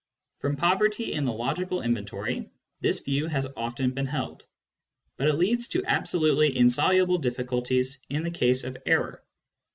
From poverty in the logical inventory, this view has often been held. But it leads to absolutely insoluble difficulties in the case of error.